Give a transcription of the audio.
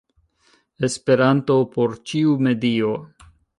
Esperanto por ĉiu medio!